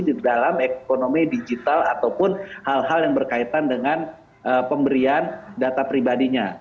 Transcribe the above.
di dalam ekonomi digital ataupun hal hal yang berkaitan dengan pemberian data pribadinya